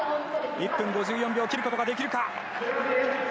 １分５４秒を切ることができるか。